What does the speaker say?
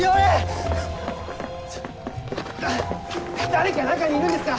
誰か中にいるんですか？